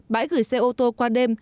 bãi gửi xe ô tô qua đêm